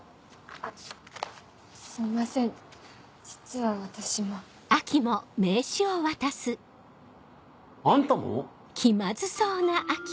あっすみません実は私も。あんたも？